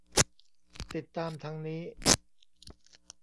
ติดตามทางนี้